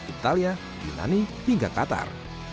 italia yunani hingga qatar